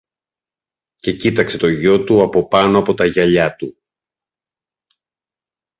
και κοίταξε το γιο του από πάνω από τα γυαλιά του.